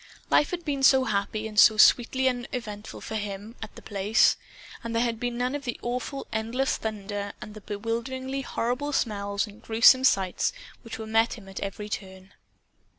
Life had been so happy and so sweetly uneventful for him, at The Place! And there had been none of the awful endless thunder and the bewilderingly horrible smells and gruesome sights which here met him at every turn.